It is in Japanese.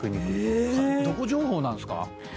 どこ情報なんですか？